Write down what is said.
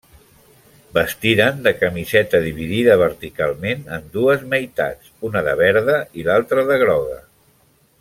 Vestiren de camiseta dividida verticalment en dues meitats, una de verda i l'altra de groga.